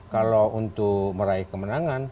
kalau untuk meraih kemenangan